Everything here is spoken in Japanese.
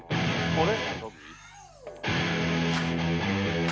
あれ？